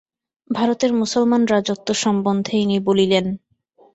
ভারতের মুসলমান রাজত্ব সম্বন্ধে ইনি বলিলেন।